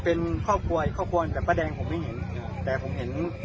เป็นครอบครัวครอบครัวอาวัดแบบปะดังผมไม่เห็นแต่ผมเห็น